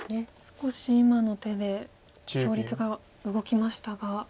少し今の手で勝率が動きましたが。